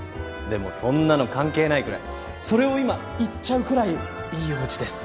でもそんなの関係ないくらいそれを今言っちゃうくらいいいおうちです。